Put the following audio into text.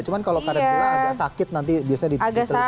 cuma kalau karet gelang agak sakit nanti biasanya di telinganya agak sakit